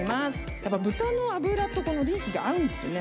やっぱ豚の脂とこのリーキが合うんですよね。